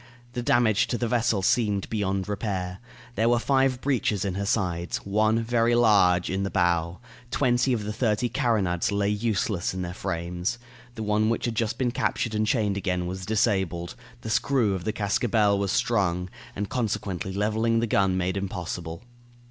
The damage to the vessel seemed beyond repair. There were five breaches in her sides, one, very large, in the bow; twenty of the thirty carronades lay useless in their frames. The one which had just been captured and chained again was disabled; the screw of the cascabel was sprung, and consequently leveling the gun made impossible.